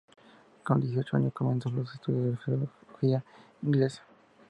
Con dieciocho años comenzó los estudios de filología inglesa.